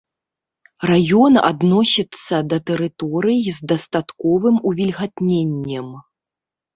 Раён адносіцца да тэрыторый з дастатковым увільгатненнем.